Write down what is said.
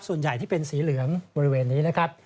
ส่วนใหญ่ที่เป็นสีเหลืองบริเวณนี้นะครับ